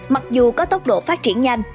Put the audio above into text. mặc dù có tốc độ phát triển nhanh